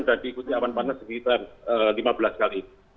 dan diikuti awan panas sekitar lima belas kali